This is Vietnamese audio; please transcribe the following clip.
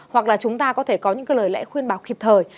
hoặc là chúng ta có thể có những cái lời lẽ khuyên báo kịp thời